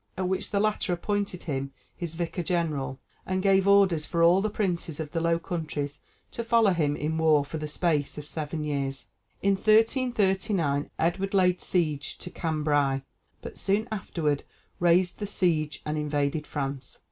at which the latter appointed him his vicar general, and gave orders for all the princes of the Low Countries to follow him in war for the space of seven years. In 1339 Edward laid siege to Cambrai, but soon afterward raised the siege and invaded France.